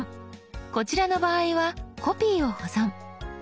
こちらの場合は「コピーを保存」。